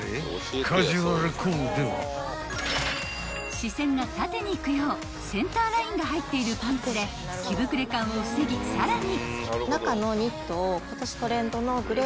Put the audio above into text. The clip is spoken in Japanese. ［視線が縦に行くようセンターラインが入っているパンツで着膨れ感を防ぎさらに］